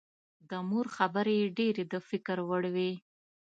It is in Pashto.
د مور خبرې یې ډېرې د فکر وړ وې